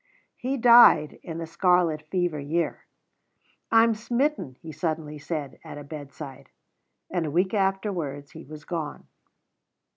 He died in the scarlet fever year. "I'm smitten," he suddenly said at a bedside; and a week afterwards he was gone.